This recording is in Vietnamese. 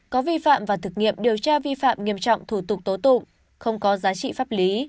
có vi phạm và thực nghiệm điều tra vi phạm nghiêm trọng thủ tục tố tụng không có giá trị pháp lý